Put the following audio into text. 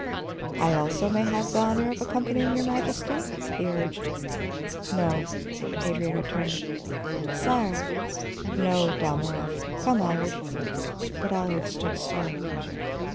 "I also may have the honor of accompanying your Imperial Majesty?" he urged. "No," Adrian returned. "Sire " "No, Dalmorov. Come, Allard." But Allard stood still.